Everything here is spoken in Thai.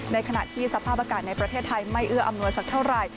ในขณะที่สภาพอากาศในประเทศไทยไม่เอื้ออำนวยสักเท่าไหร่